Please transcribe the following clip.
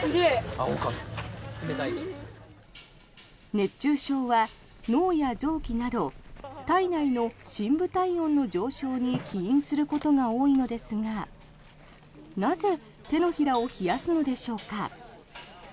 熱中症は脳や臓器など体内の深部体温の上昇に起因することが多いのですがなぜ手のひらを冷やすのでしょうか。